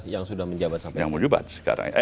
yang sudah menjabat sampai sekarang